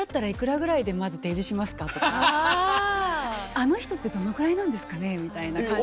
「あの人ってどのくらいなんですかね？」みたいな感じで。